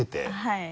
はい。